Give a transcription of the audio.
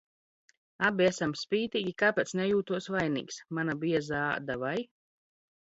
Abi esam spītīgi. Kāpēc nejūtos vainīgs? Mana biezā āda, vai?